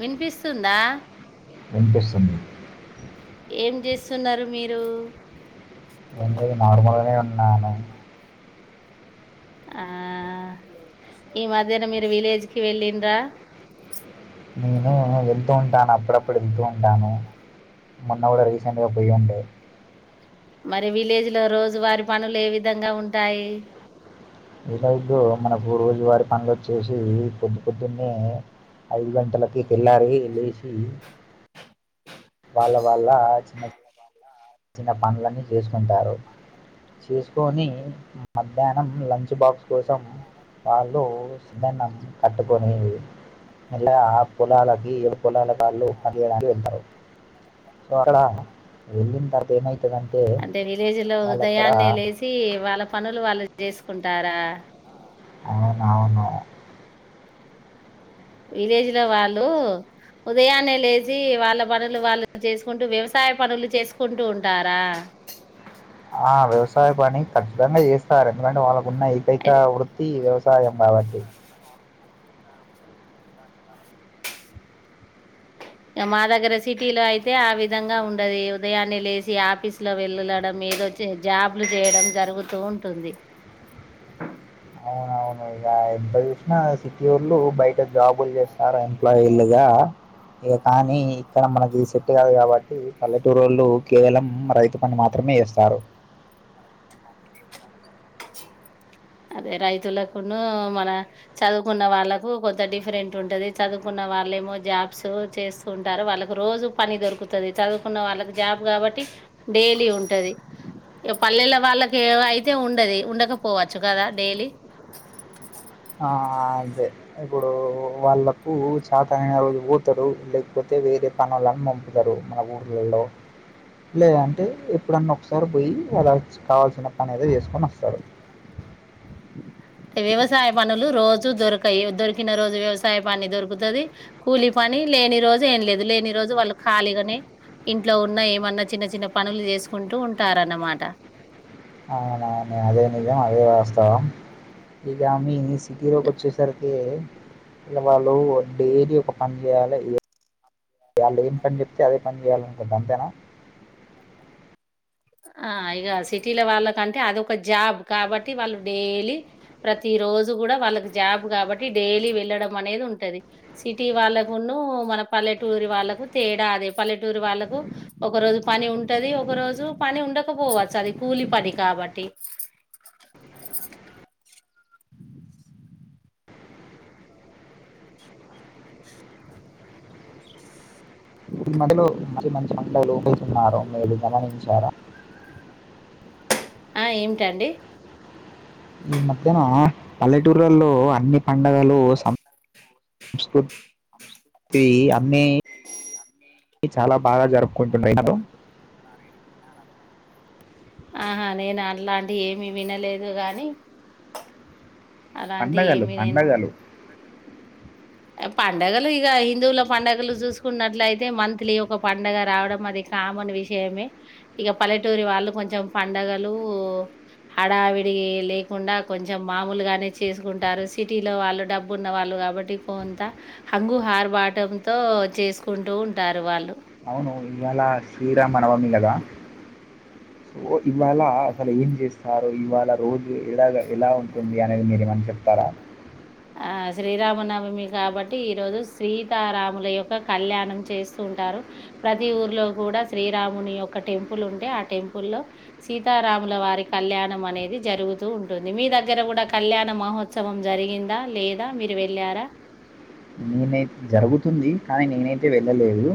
వినిపిస్తుందా వినిపిస్తుంది ఏం చేస్తున్నారు మీరు ఏం లేదు నార్మలాగానే ఉన్నాను ఆ ఈ మధ్యనా మీరు విలేజ్ కి వెళ్ళండ్రా నేను వెళ్తూ ఉంటాను అప్పుడప్పుడు వెళ్తూ ఉంటాను మొన్న కూడా రీసెంట్గా పోయ్య ఉండే మరి విలేజ్ లో రోజు వారి పనులు ఏ విధంగా ఉంటాయి విలేజ్ లో మనకు రోజు వారి పనుల వచ్చేసి పొద్దు పొద్దున్నే ఐదు గంటలకి తెల్లారి లేసి వాళ్ళ వాళ్ల్ళ చిన్న చిన్న చిన్న పనులన్నీ చేసుకుంటారు చేసుకొని మధ్యాహ్నం లంచ్ బాక్స్ కోసం వాళ్ళు సద్దన్నం కట్టుకునేది మల్ల ఆ పొలాలకి ఏ పొలాలకి వాళ్ళు పని చేయడానికి వెళ్తారు సో అక్కడ వెళ్ళిన తరూ అంటే విలేజ్ లో అక్కడ ఉదయాన్నే లేచి వాళ్ళ పనులు వాళ్ళ చే చేసుకుంటారా అవునవును విలేజ్ లో వాళ్ళు ఉదయాన్నే లేచి వాళ్ళ పనులు వాళ్ళు చేసుకుంటూ వ్యవసాయ పనులు చేసుకుంటూ ఉంటారా ఆ వ్యవసాయ పని ఖచ్చితంగా చేస్తారు ఎందుకంటే వాళ్ళకున్న ఏకైక వృత్తి వ్యవసా సాయం కాబట్టి మా దగ్గర సిటీ లో అయితే ఆ విధంగా ఉండది ఉదయాన్నే లేసి ఆఫీస్ లో వెళ్ళడం ఏదోచ్చి జాబ్లు చేయడం జరుగుతూ ఉంటుంది అవునవును ఎంత చూసినా సిటీ వాళ్ళు బయట జాబులు చేస్తారు ఎంప్లాయిలుగా, ఇక కానీ ఇక్కడ మనకి సెట్ కాదు కాబట్టి పల్లెటూరోలు కేవలం రైతు పని మాత్రమే ఇస్తారు, అదే రైతులకును మన చదువుకున్న వాళ్ళలకు కొంత డిఫరెంట్ ఉంటది చదువుకున్న వాళ్ళ ఏమో జాబ్స్ చేస్తూ ఉంటారు వాళ్ళకి రోజు పని దొరుకుతది చదువుకున్న వాళ్ళకి జాబ్ కాబట్టి డైలీ ఉంటది ఓ పల్లెల వాళ్ళకి అయితే ఉండది ఉండకపోవచ్చు కదా డైలీ ఆ, అంతే ఇప్పుడు వాళ్ళలకు చాతనైన రోజు పోతాడు లేకపోతే వేరే పనోలా అని పంపుతారు మన ఊర్లలో లే అంటే ఎప్పుడన్నా ఒకసారి పోయి వాలాకావాల్సిన పని ఏదే చేసు కొని వస్తారు వ్యవసాయ పనులు రోజు దొరకాయి దొరికిన రోజు వ్యవసాయ పని దొరుకుతుంది కూలి పని కానీ లేని రోజు ఏం లేదు లేని రోజు వాళ్ళు ఖాళీగానే ఇంట్లో ఉన్న ఏమన్నా చిన్న చిన్న పనులు చేసుకుంటూ ఉంటారన్నమాట అవునవును అదే నిజం అదే వాస్తవం ఈగా మి సిటీ లోకి వచ్చేసరికి. ఇగా వాళ్ళు డైలీ ఒక పని చేయాలే, వాళ్ళు ఏం పని చెప్తే అదే పని చేయాలనుకుంట అంతేనా ఆ ఇక సిటీల వాళ్ళకంటే అది ఒక జాబ్ కాబట్టి వాళ్ళు డైలీ ప్రతి రోజు కూడా వాళ్ళకి జాబ్ కాబట్టి డైలీ వెళ్ళడం అనేది ఉంటది. సిటీ వాళ్ళకు ఉన్నూ పల్లెటూరి వాళ్ళకు తేడా అదే పల్లెటూరి వాళ్ళలకు ఒక రోజు పని ఉంటది. ఒక రోజు, పని ఉండకపోవచ్చు. అది కూలి పని కాబట్టి ఈ మధ్యలో మంచి మంచి వంటలు వండు తున్నారు మీరు గమనించారా. ఆ ఏమిటండి. ఈ మధ్యన పల్లెటూరులో అన్ని పండగలు, సంస్కృతి అన్ని చాలా బాగా జరుపుకుంటున్నారు ఆహా నేను అలాంటి ఏమి వినలేదు గాని అలాంటి పండగలు ఏమీ నేను పండగలు పండగలు ఇక హిందువుల పండగలు చూసుకున్నట్లయితే మంత్లీ ఒక పండగ రావడం అది కా మన్ విషయమే ఇక పల్లెటూరి వాళ్ళు కొంచెం పండగలు హడావిడి లేకుండా కొంచెం మామూలుగానే చేసుకుంటారు. సిటీలో వాళ్ళు డబ్బు ఉన్న వాళ్ళు కాబట్టి పోంతా హంగు ఆర్భాటంతో చేసుకుంటూ ఉంటారు వాళ్ళు అవును ఇవాళ శ్రీరామనవమి కదా సో ఇవాళ అసలు ఏం చేస్తారు ఇవాళ రోజు ఎలాగా ఎలా ఉంటుంది. అనేది మీరు ఏమన్నా చెప్త రా ఆ శ్రీరామనవమి కాబట్టి ఈ రోజు సీతారాముల యొక్క కళ్యాణం చేస్తూ ఉంటారు. ప్రతి ఊర్లో కూడా శ్రీరాముని యొక్క టెంపుల్ ఉంటే ఆ టెంపుల్ లో సీతారా రాముల వారి కళ్యాణం అనేది జరుగుతూ ఉంటుంది. మీ దగ్గర కూడా కళ్యాణ మహోత్సవం జరిగిందా. లేదా మీరు వెళ్ళారా. నేనై జరుగుతుంది కానీ నేనైతే వెళ్ళలేదు.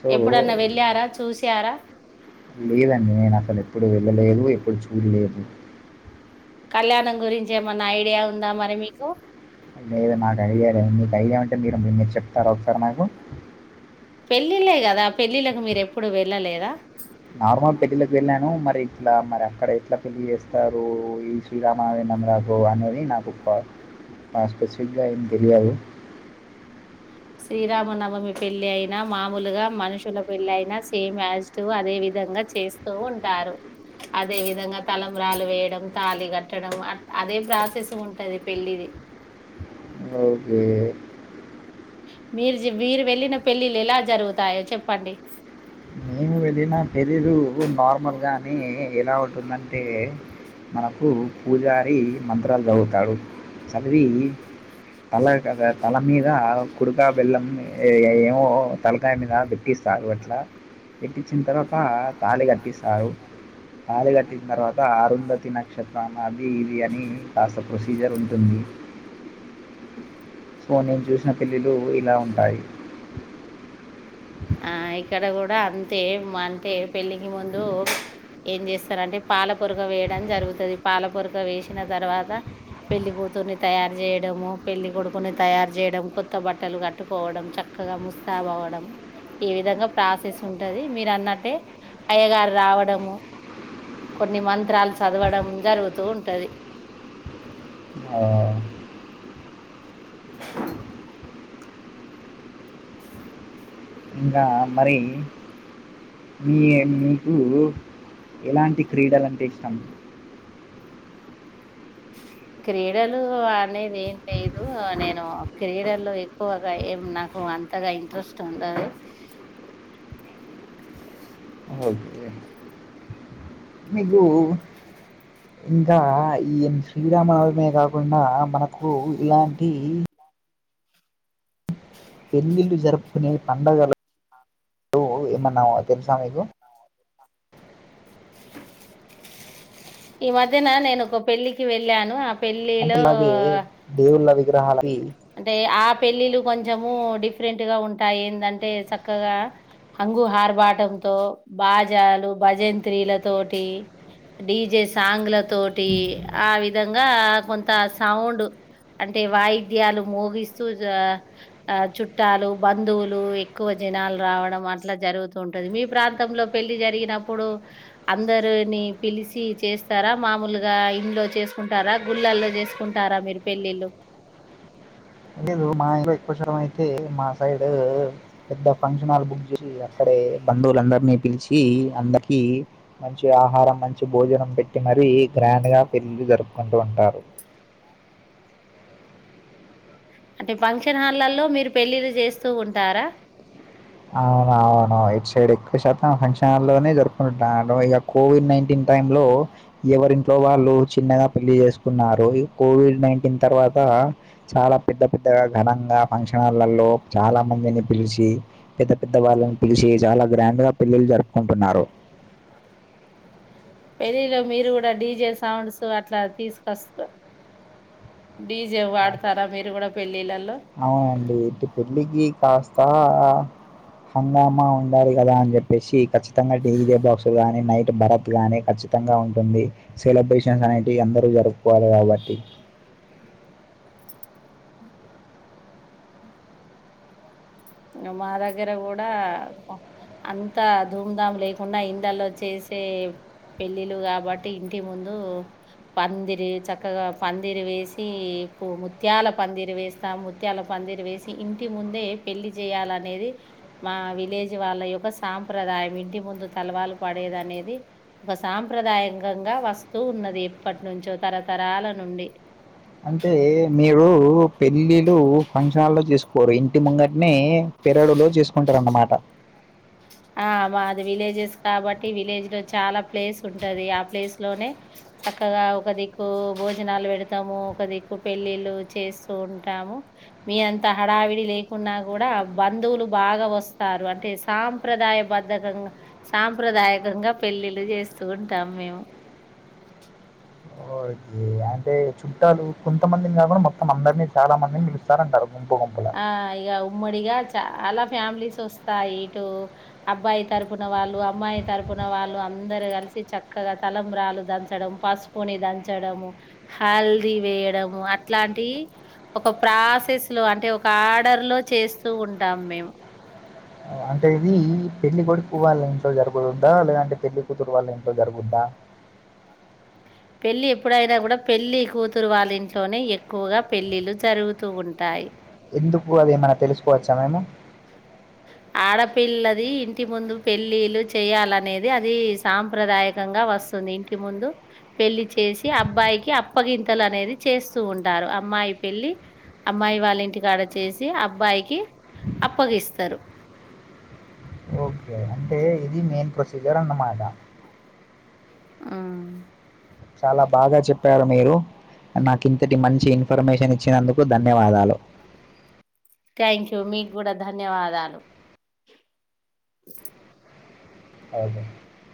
సో, ఎప్పుడన్నా వెళ్ళారా చూసారా. లేదండి నేను అసలు ఎప్పుడు వెళ్ళలేదు ఎప్పుడు చూడలేదు. కళ్యాణం గురించి ఏమన్నా ఐడియా ఉందా మరి మీకు, లేదు నాకు ఐడియా లేదు. మీకు ఐడియా అంటే మీరు మీ మీరు చెప్తారా ఒకసారి నాకు పెళ్ళిళ్ళ కదా పెళ్ళిళ్ళలకు మీరు ఎప్పుడు వెళ్ళలేదా. నార్మల్ పెళ్లిళ్లకు వెళ్ళాను మరి ఇట్లా మరి అక్కడ ఎట్లా పెళ్ళి చేస్తారు ఈ శ్రీరామా నవమికి నాకు అనేది నాకు ఒక్క నాకు స్పెసిఫిక్ గా ఏమ్ తెలియాదు. శ్రీరామనవమి పెళ్లి అయినా మామూలుగా మనుషుల పెళ్లి అయినా సేమ్ యాజ్ ఇట్ ఇస్ గా అదేవిధంగా విధంగా చేస్తూ ఉంటారు. అదే విధంగా తలంబ్రాలు వేయడం తాళి కట్టడం అదే ప్రాసెస్ ఉంటది పెళ్లిది. ఓకే మీరు మీరు వెళ్ళిన పెళ్ళిళ్ళ ఎలా జరుగుతాయో చెప్పండి. మేము వెళ్ళిన పెళ్లిళ్లు నార్మల్గాని ఎలా ఉంటుంది. అంటే మనకు పూజారి మంత్రాలు చదువుతాడు చదివి తల కద తల మీద కుడుకా బెల్లం ఏమో తలకాయ మీద పెట్టి స్తరూ అట్లా పెట్టించిన తర్వాత తాళి కట్టిస్తారు తాళి కట్టిన తర్వాత, అరుంధతి నక్షత్రం. అది ఇది అని కాస్త ప్రొసీజర్ ఉంటుంది. నేను చూసిన పెళ్ళిలు ఇలా ఉంటాయి. ఆ ఇక్కడ కూడా అంతే అంటే పెళ్ళికి ముందు ఏం చేస్తారంటే పాల పొరక వేయడం జరుగుతుంది పాల పొరక వేసిన తర్వాత పెళ్లి కూతుర్ని తయారు చేయడము పెళ్లి కొడుకుని తయారు చేయడం కొత్త బట్టలు కట్టుకోవడం చక్క చక్కగా ముస్తాబ్ అవ్వడం ఈ విధంగా ప్రాసెస్ ఉంటది మీరన్నట్టే అయ్యగారు రావడము కొన్ని మంత్రాలు చదవడం జరుగుతూ ఉంటది ఆ ఇంకా మరి మీ మీకు ఎలాంటి క్రీడలంటే ఇష్టం క్రీడలు అనేది ఏం లేదు నేను క్రీడల్లో ఎక్కువగా ఏం నాకు అంతగా ఇంట్రెస్ట్ ఉండదు ఒకే మీకు ఇంకా ఈ శ్రీరామనవమి కాకుండా మనకు ఇలాంటి పెళ్ళిళ్లు జరుపుకునే పండగలు ఏమన్నా తెలుసా మీకు ఈ మధ్యన నేను ఒక పెళ్ళికి వెళ్ళాను ఆ అంటే పెళ్ళిలో ఇలాగే దేవుళ్ళ విగ్రహాలవి అంటే ఆ పెళ్ళిళ్లు కొంచము డిఫరెంట్ గా ఉంటాయి ఏంటంటే చక్కగా హంగుహార్బాటంతో బాజాలు భజంత్రీల తోటి డీజే సాంగ్ల తోటి ఆ విధంగా కొంత సౌండ్ అంటే వాయిద్యాలు మోగిస్తూ దా ఆ చుట్టాలు బంధువులు ఎక్కువ జనాలు రావడం అట్లా జరుగుతూంటది మీ ప్రాంతంలో పెళ్లి జరిగినప్పుడు అందరిని పిలిచి చేస్తారా మామూలుగా ఇంట్లో చేస్ కుంటారా గుళ్ళల్లో చేసుకుంటారా మీరు పెళ్ళిళ్ళు లేదు మా ఇం ఎక్కువ చరం అయితే మా సైడు పెద్ద ఫంక్షన్ హాల్ బుక్ చేసి అక్కడే బంధువులందరినీ పిలిచి అందరికి మంచి ఆహారం మంచి భోజనం పెట్టి మరీ గ్ర గ్రాండ్గా పెళ్ళి జరుపుకుంటూ ఉంటారు అంటే ఫంక్షన్ హాల్లలో మీరు పెళ్ళిళ్ళు చేస్తూ ఉంటారా అవును అవును ఇటు సైడ్ ఎక్కువ శాతం ఫంక్షన్ హాల్లోనే జరుపుకుంటారు ఇక కోవిడ్ నైన్టీన్ టైమ్ లో ఎవరింట్లో వాళ్ళు చిన్నగా పెళ్లి చేసుకున్నారు కోవిడ్ నైన్టీన్ తర్వాత చాలా పెద్ద పెద్దగా ఘనంగా ఫంక్షన్ హాల్లలో చాలా మందిని పిలిచి పెద్ద పెద్ద వాళ్ళని పిలిచి చాలా గ్రాండ్గా పెళ్ళిళ్లు జరుపుకుంటున్నారు పెళ్ళిలో మీరు కూడా డీజే సౌండ్స్ అట్లా తీసుకొస్తారు అవునండి ఇటు పెళ్ళికి కాస్తా హంగామా ఉండాలి కదా అని చెప్పేసి ఖచ్చితంగా డీజే బాక్స్ గాని నైట్ భరత్ గాని కచ్ అందంగా ఉంటుంది సెలబ్రేషన్స్ అనేవి అందరు జరుపుకోవాలి కాబట్టి మా దగ్గర కూడా అంతా ధూంధాం లేకుండా ఇండ్లలో చేసే పెళ్లిళ్లు కాబట్టి ఇంటి ముందు పందిరి చక్కగా పందిరి వేసి ప ముత్యాల పందిరి వేస్తాం ముత్యాల ప పందిరు వేసి ఇంటి ముందే పెళ్లి చేయాల అనేది మా విలేజ్ వాళ్ళ యొక్క సాంప్రదాయం ఇంటి ముందు తలవాలు పడే అనేది ఒక సాంప్రదాయంగా వస్తు ఉన్నది ఎప్పటి నుంచో తరతరాల నుండి అంటే మీరు పెళ్లిళ్లు ఫంక్షన్ హాల్లో చేసుకోరు ఇంటి ముంగటినే పెరడులో చేసుకుంటారన్నమాట ఆహ్ మాది విలేజెస్ కాబట్టి విలేజ్ లో చాలా ప్లేస్ ఉంటది ఆ ప్లేస్ లోనే. చక్కగా ఒక దిక్కు భోజనాలు పెడతాము. ఒక దిక్కు పెళ్లిళ్లు చేస్తూ ఉంటాము. మీ అంత హడావిడి లేకున్నా కూడా బంధువులు బాగా వస్తారు అంటే సాం. సాంప్రదాయ బద్ధకంగా సాంప్రదాయకంగా పెళ్లిళ్లు చేస్తూ ఉంటాం మేము. ఓకే. అంటే చుట్టాలు కొంతమందిని కాకుండా మొత్తం అందరినీ చాలా మందిని పిలుస్తారంటారు. గుంపు గుంపుల. ఆహ్ ఇగ ఉమ్మడిగా చాలా ఫ్యామిలీస్ వస్. ఇంక ఇటు అబ్బాయి తరపున వాళ్ళు అమ్మాయి తరపున వాళ్ళు అందరు కలిసి చక్కగా. తలంబ్రాలు దంచడం పసుపుని దంచడము హల్దీ వేయడము అట్లాంటీయి. ఒక ప్రాసెస్ లో అంటే ఒక ఆర్డర్ లో చేస్తూ ఉంటాం మేం. అంటే ఇది పెళ్లి కొడుకు వాళ్ళ ఇంట్లో జరుగుద్దా లేదంటే పెళ్లి కూతురు వాళ్ళ ఇంట్లో జరుగుద్దా. కాని. పెళ్లి ఎప్పుడైనా కూడా పెళ్లి కూతురు వాళ్ళింట్లోనే ఎక్కువగా పెళ్ళిళ్ళు జరుగుతూ ఉంటాయి. ఎందుకు అదెమన్నా తెలుసుకోవచ్చా మేము. ఆడపిల్లది ఇంటి ముందు పెళ్ళిళ్ళు చెయాలనేది అది సాంప్రదాయకంగ్. గా వస్తుంది ఇంటి ముందు పెళ్లి చేసి అబ్బాయికి అప్పగింతలు అనేది చేస్తూ ఉంటారు. అమ్మాయి పెళ్లి అమ్మాయి వాళ్ళ ఇంటికాడ చేసి అబ్బాయికి అప్పగిస్తా. తరు. ఇన్ మెయిన్ ప్రొసిజర్ అన్నమాట. ఆహ్మ్. చాలా బాగా చెప్పారు మీరు. నాకింతటి మంచి ఇన్ఫర్మేషన్ ఇచ్చినందుకు ధన్యవాదాలు. ఉమ్. టైంక్యు మీకు కూడా ధన్యవాదాలు. అవును.